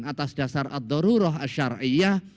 atas dasar ad dururuh asyariyah